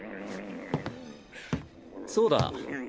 そうだ。